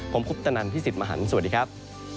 ผมคุปตนันพี่สิทธิ์มหันฯสวัสดีครับ